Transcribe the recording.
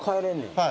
はい。